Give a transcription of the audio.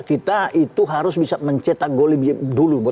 kita itu harus bisa mencetak gol lebih dulu